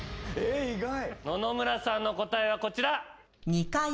野々村さんの答えはこちら。